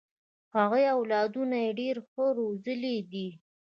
هغوی اولادونه یې ډېر ښه روزلي دي.